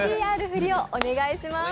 ＶＴＲ振りをお願いします。